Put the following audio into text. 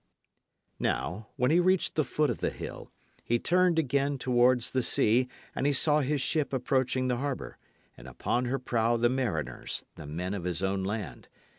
Now when he reached the foot of the hill, he turned again towards the sea, and he saw his ship approaching the harbour, and upon her prow the mariners, the men of his own land.